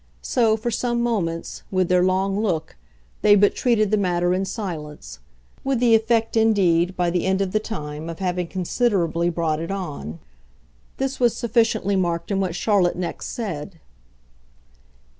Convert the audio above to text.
So, for some moments, with their long look, they but treated the matter in silence; with the effect indeed, by the end of the time, of having considerably brought it on. This was sufficiently marked in what Charlotte next said.